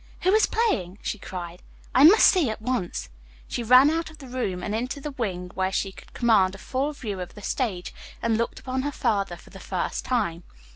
"Who is playing?" she cried. "I must see at once." She ran out of the room and into the wing, where she could command a full view of the stage, and looked upon her father for the first time.